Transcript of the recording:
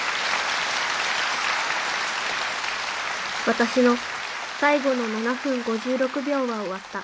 私の最後の７分５６秒は終わった。